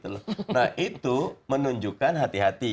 nah itu menunjukkan hati hati